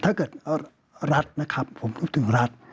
ถ้าเกิดรัฐนะครับผมพูดถึงรัฐ